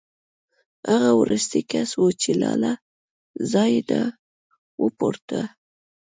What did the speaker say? هغه وروستی کس و چې لا له ځایه نه و پورته